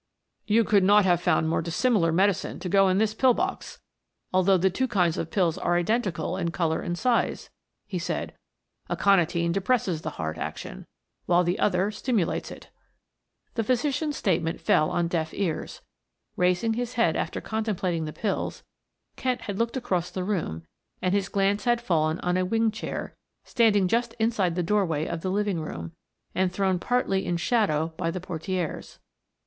"You could not have found more dissimilar medicine to go in this pill box, although the two kinds of pills are identical in color and size," he said. "Aconitine depresses the heart action while the other stimulates it." The physician's statement fell on deaf ears. Raising his head after contemplating the pills, Kent had looked across the room and his glance had fallen on a wing chair, standing just inside the doorway of the living room, and thrown partly in shadow by the portieres.